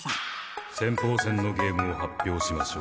先鋒戦のゲームを発表しましょう。